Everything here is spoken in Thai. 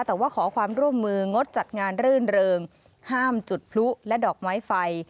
แต่ว่าขอความร่วมมืองดจัดงานรื่นเริงห้ามจุดพลุและดอกไม้ไฟ